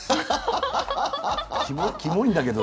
キモいんだけど。